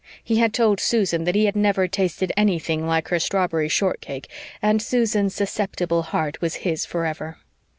He had told Susan that he had never tasted anything like her strawberry shortcake and Susan's susceptible heart was his forever.